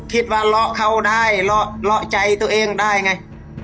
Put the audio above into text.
คิดว่าลอกเขาได้หรอกรองใจตัวเองได้ไง